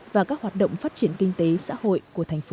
và các hoạt động phát triển kinh tế xã hội của thành phố